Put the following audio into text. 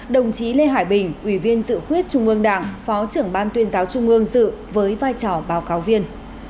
đồng chí lê hải bình ủy viên dự khuyết trung ương đảng phó trưởng ban tuyên giáo trung ương dự với vai trò báo cáo viên